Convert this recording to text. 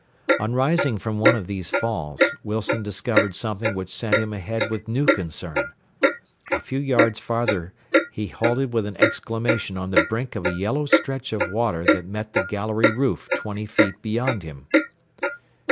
On rising from one of these falls Wilson discovered something which sent him ahead with new concern. A few yards farther he halted with an exclamation on the brink of a yellow stretch of water that met the gallery roof twenty feet beyond him.